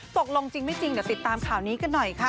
ตกลงจริงไม่จริงเดี๋ยวติดตามข่าวนี้กันหน่อยค่ะ